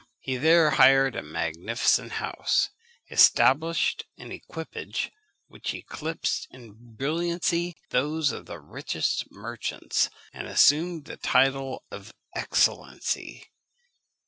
He there hired a magnificent house, established an equipage which eclipsed in brilliancy those of the richest merchants, and assumed the title of Excellency.